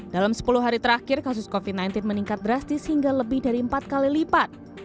dalam sepuluh hari terakhir kasus covid sembilan belas meningkat drastis hingga lebih dari empat kali lipat